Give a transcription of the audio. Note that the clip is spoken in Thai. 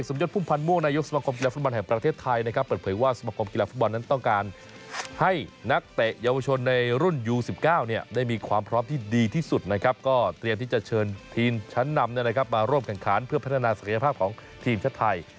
มา้กันเพื่อพัฒนาศักรรยภาพของทีมชาติไทย